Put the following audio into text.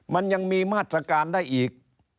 มันยังมีมาตรการได้อีก